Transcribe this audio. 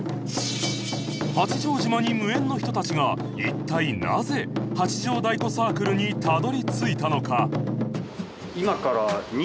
八丈島に無縁の人たちが一体なぜ八丈太鼓サークルにたどり着いたのか？